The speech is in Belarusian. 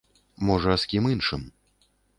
Можа, з кім іншым.